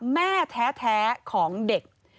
แม่แท้ของเด็ก